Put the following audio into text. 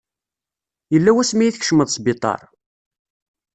Yella wasmi i tkecmeḍ sbiṭar?